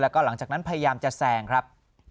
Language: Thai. แล้วก็หลังจากนั้นพยายามจะแซงครับ